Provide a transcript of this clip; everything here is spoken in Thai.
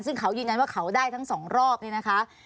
ซึ่งเขายืนยันว่าเขาได้ทั้งสองรอบเนี่ยนะคะ